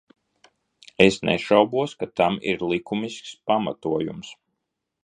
Es nešaubos, ka tam ir likumisks pamatojums.